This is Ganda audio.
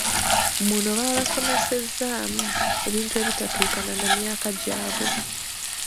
Muno babasomesezaamu ebintu ebitatuukana na myaka gyabwe.